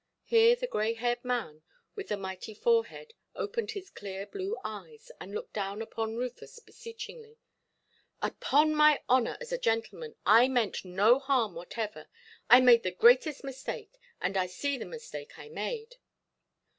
Here the grey–haired man, with the mighty forehead, opened his clear blue eyes, and looked down upon Rufus beseechingly. "Upon my honour as a gentleman, I mean no harm whatever. I made the greatest mistake, and I see the mistake I made".